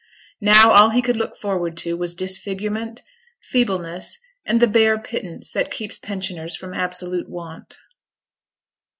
Now all he could look forward to was disfigurement, feebleness, and the bare pittance that keeps pensioners from absolute want.